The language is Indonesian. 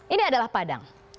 ini adalah padang